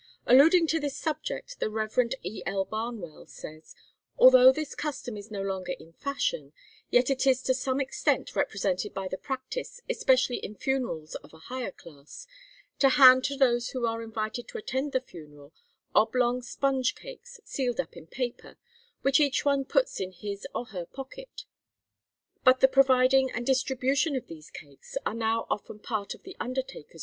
Alluding to this subject the Rev. E. L. Barnwell says: 'Although this custom is no longer in fashion, yet it is to some extent represented by the practice, especially in funerals of a higher class, to hand to those who are invited to attend the funeral, oblong sponge cakes sealed up in paper, which each one puts into his or her pocket, but the providing and distribution of these cakes are now often part of the undertaker's duty.'